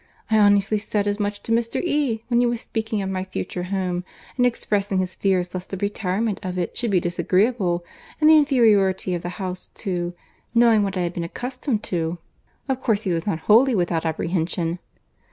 I honestly said as much to Mr. E. when he was speaking of my future home, and expressing his fears lest the retirement of it should be disagreeable; and the inferiority of the house too—knowing what I had been accustomed to—of course he was not wholly without apprehension.